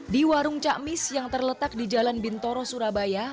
di warung cakmis yang terletak di jalan bintoro surabaya